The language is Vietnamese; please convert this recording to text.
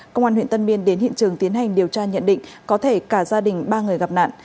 công an huyện tân biên đến hiện trường tiến hành điều tra nhận định có thể cả gia đình ba người gặp nạn